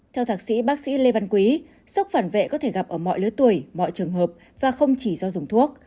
theo thạc sĩ bác sĩ lê văn quý sốc phản vệ có thể gặp ở mọi lứa tuổi mọi trường hợp và không chỉ do dùng thuốc